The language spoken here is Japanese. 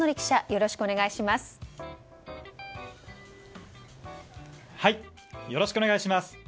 よろしくお願いします。